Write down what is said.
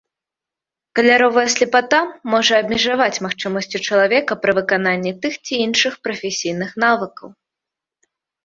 Каляровая слепата можа абмежаваць магчымасці чалавека пры выкананні тых ці іншых прафесійных навыкаў.